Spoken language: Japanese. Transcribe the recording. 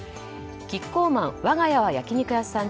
キッコーマンわが家は焼肉屋さん